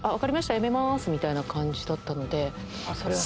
やめますみたいな感じだったので。